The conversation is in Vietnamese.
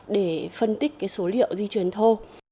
để phân tích số liệu di truyền thô